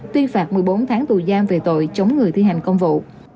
tuy phạt một mươi bốn tháng tù giam về tội chống ngừa thi hành công vụ